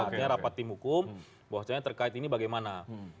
artinya rapat tim hukum bahwasanya terkait ini bagaimana